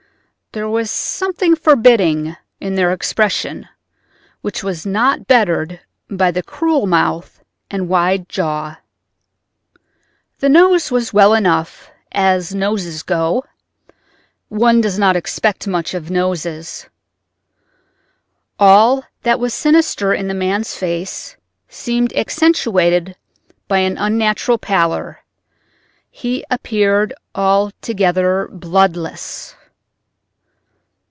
There was something forbidding in their expression, which was not bettered by the cruel mouth and wide jaw. The nose was well enough, as noses go; one does not expect much of noses. All that was sinister in the man's face seemed accentuated by an unnatural pallor—he appeared altogether bloodless.